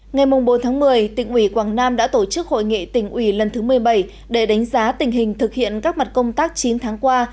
ngày bốn một mươi tỉnh ủy quảng nam đã tổ chức hội nghị tỉnh ủy lần thứ một mươi bảy để đánh giá tình hình thực hiện các mặt công tác chín tháng qua